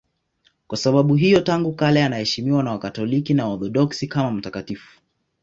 Kwa sababu hiyo tangu kale anaheshimiwa na Wakatoliki na Waorthodoksi kama mtakatifu.